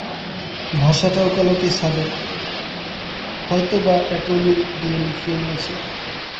ভাষাটা ওকালতি ছাঁদের– হয়তো বা অ্যাটর্নিকে দিয়ে লিখিয়ে নিয়েছে।